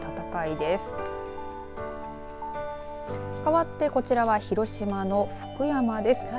かわってこちらは広島の福山です。